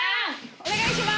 お願いします！